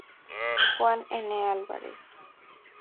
Juan N. Álvarez.